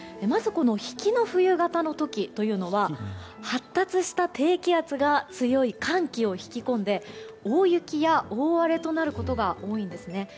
まず、引きの冬型の時というのは発達した低気圧が強い寒気を引き込んで大雪や大荒れとなることが多いんです。